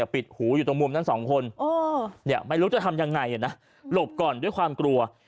ปิดหูอยู่ตรงมุมทั้งสองคนไม่รู้จะทำยังไงนะหลบก่อนด้วยความกลัว